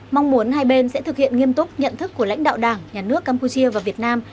mong muốn hai bên sẽ thực hiện nghiêm túc nhận thức của lãnh đạo đảng nhà nước campuchia và việt nam